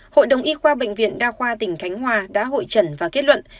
hội đồng y khoa bệnh viện đa khoa tỉnh khánh hòa đã hội trần và kết luận